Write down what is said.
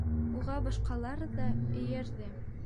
Уға башҡалар ҙа эйәрҙе.